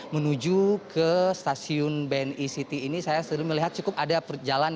menuju ke stasiun bni city ini saya sudah melihat cukup ada perjalanan